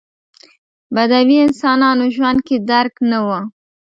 بدوي انسانانو ژوند کې درک نه و.